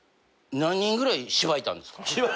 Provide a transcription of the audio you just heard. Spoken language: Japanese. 何人ぐらいしばいたんですか？